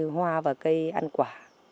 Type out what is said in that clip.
hoa và cây ăn quả